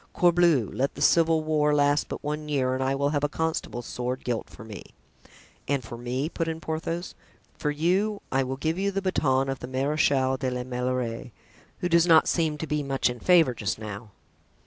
Corbleu! let the civil war last but one year and I will have a constable's sword gilt for me." "And for me?" put in Porthos. "For you? I will give you the baton of the Marechal de la Meilleraie, who does not seem to be much in favor just now.")